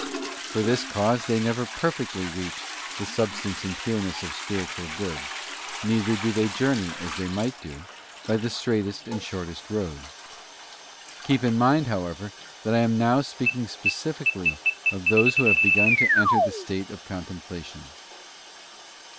For this cause they never per fectly reach the substance and pureness of spiritual good, neither do they journey, as they might do, by the straightest and the shortest road. Keep in mind, however, that I am now speaking specially of those who have begun to enter the state of contemplation.